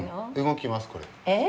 動きますこれ。